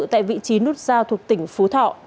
tại vị trí nút giao thuộc tỉnh phú thọ